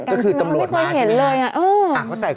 ก็คือตำรวจม้าใช่ไหม